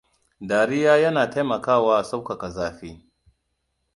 Dariya yana taimakawa sauƙaƙa zafin.